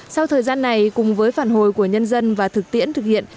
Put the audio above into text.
sau thời gian này cùng với phản hồi của nhân dân và thực tiễn thực hiện